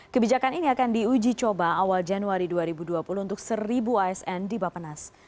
kebijakan ini akan diuji coba awal januari dua ribu dua puluh untuk seribu asn di bapenas